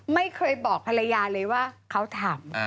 ไม่เคยบอกภรรยาเลยว่าเขาทำ